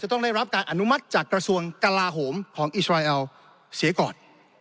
ต้องได้รับการอนุมัติจากกระทรวงกลาโหมของอิสราเอลเสียก่อน